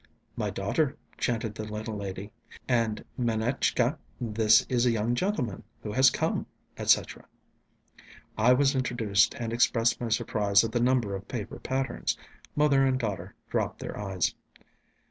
"My daughter," chanted the little lady, "and, Manetchka, this is a young gentleman who has come," etc. I was introduced, and expressed my surprise at the number of paper patterns. Mother and daughter dropped their eyes.